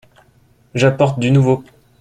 J’apporte du nouveau.